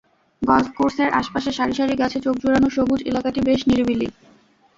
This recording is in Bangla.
গলফ কোর্সের আশপাশে সারি সারি গাছে চোখজুড়ানো সবুজ এলাকাটি বেশ নিরিবিলি।